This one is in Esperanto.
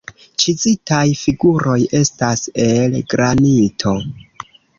Ĉizitaj figuroj estas el granito.